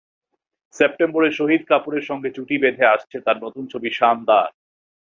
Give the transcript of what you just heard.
সেপ্টেম্বরে শহীদ কাপুরের সঙ্গে জুটি বেঁধে আসছে তাঁর নতুন ছবি শানদার।